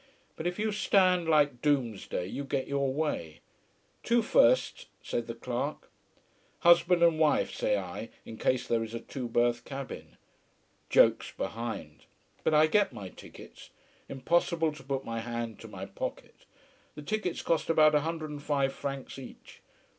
But if you stand like Doomsday you get your way. Two firsts, says the clerk. Husband and wife, say I, in case there is a two berth cabin. Jokes behind. But I get my tickets. Impossible to put my hand to my pocket. The tickets cost about a hundred and five francs each.